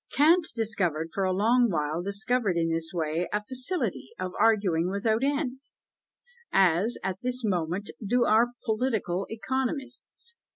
Kant for a long while discovered in this way a facility of arguing without end, as at this moment do our political economists.